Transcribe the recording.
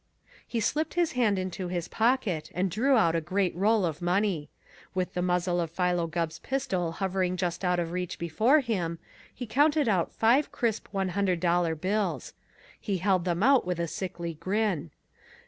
He slipped his hand into his pocket and drew out a great roll of money. With the muzzle of Philo Gubb's pistol hovering just out of reach before him, he counted out five crisp one hundred dollar bills. He held them out with a sickly grin.